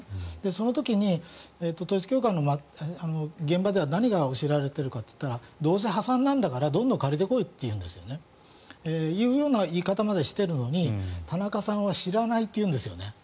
その時に統一教会の現場では何が教えられているかといったらどうせ破産なんだからどんどん借りて来いというんです。というような言い方までしているのに田中さんは知らないと言うんですよね。